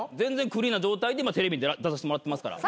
クリーンな状態でテレビ出させてもらってますから。